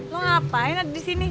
mau ngapain ada di sini